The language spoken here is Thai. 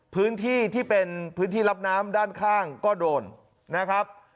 พื้นที่ที่เป็นพื้นที่รับน้ำด้านข้างก็โดนนะครับ